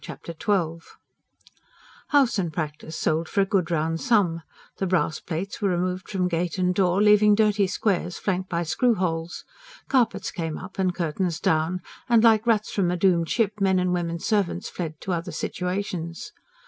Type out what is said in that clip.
Chapter XII House and practice sold for a good round sum; the brass plates were removed from gate and door, leaving dirty squares flanked by screw holes; carpets came up and curtains down; and, like rats from a doomed ship, men and women servants fled to other situations.